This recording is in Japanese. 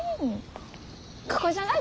ここじゃない？